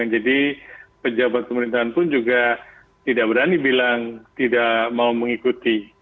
jadi pejabat pemerintahan pun juga tidak berani bilang tidak mau mengikuti